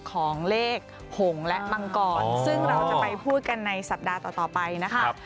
ของเลขหงและมังกรซึ่งเราจะไปพูดกันในสัปดาห์ต่อไปนะคะ